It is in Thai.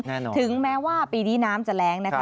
ถึงแม้ว่าปีนี้น้ำจะแรงนะคะ